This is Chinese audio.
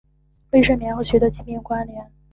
微睡眠和许多疾病关联。